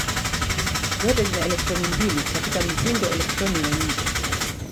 Zote zina elektroni mbili katika mzingo elektroni wa nje.